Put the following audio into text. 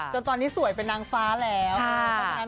จนตอนนี้สวยเป็นนางฟ้าแล้ว